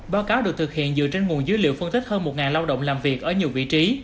báo cáo được thực hiện dựa trên nguồn dữ liệu phân tích hơn một lao động làm việc ở nhiều vị trí